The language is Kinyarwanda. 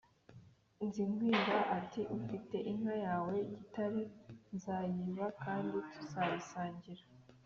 Nzikwiba ati: "Ufite inka yawe Gitare nzayiba kandi tuzayisangira